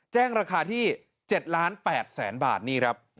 แจ้งราคาที่๗๘ล้านบาทนี่ครับ